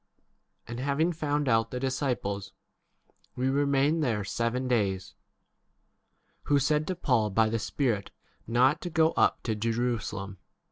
And having found out the disciples, we remained there seven days ; who said to Paul by the Spirit not to go up to Jerusalem.